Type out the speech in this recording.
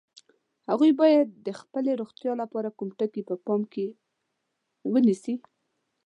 هغوی باید د خپلې روغتیا لپاره کوم ټکي په پام کې ونیسي؟